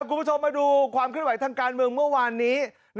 คุณผู้ชมมาดูความเคลื่อนไหวทางการเมืองเมื่อวานนี้